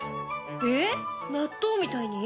えっ納豆みたいに？